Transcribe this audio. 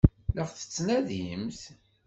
La ɣ-tettnadimt?